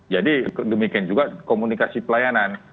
jadi demikian juga komunikasi pelayanan